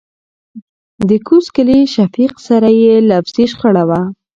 دکوز کلي شفيق سره يې لفظي شخړه وه .